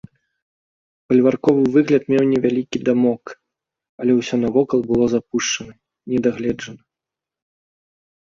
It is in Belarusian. Фальварковы выгляд меў невялікі дамок, але ўсё навокал было запушчана, не дагледжана.